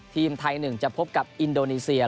ทีมไทย๑จะพบกับอินโดนีเซีย